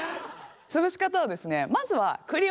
つぶし方はですね